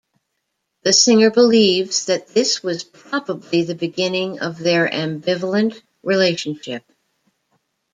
The singer believes that this was probably the beginning of their ambivalent relationship.